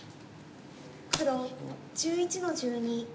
黒１１の十二ノビ。